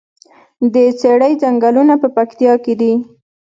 د څیړۍ ځنګلونه په پکتیا کې دي؟